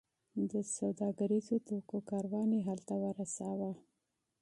د سوداګریزو توکو کاروان یې هلته ورساوو.